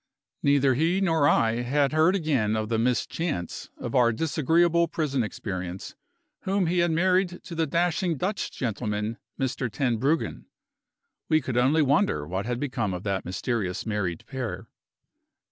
Neither he nor I had heard again of the "Miss Chance" of our disagreeable prison experience, whom he had married to the dashing Dutch gentleman, Mr. Tenbruggen. We could only wonder what had become of that mysterious married pair.